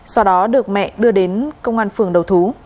sau đó được mẹ đưa đến công an phường đầu thú